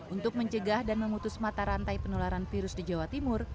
untuk mencegah dan memutus mata rantai penularan virus di jawa timur